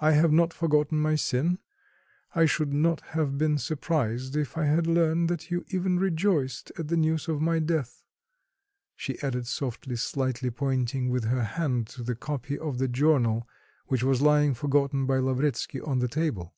"I have not forgotten my sin; I should not have been surprised if I had learnt that you even rejoiced at the news of my death," she added softly, slightly pointing with her hand to the copy of the journal which was lying forgotten by Lavretsky on the table.